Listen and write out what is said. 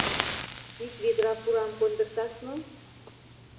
— Ик ведра пурам кондыкташ мо?